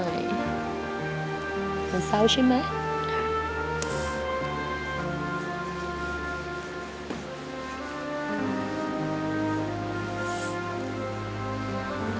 เหมือนเศร้าใช่ไหม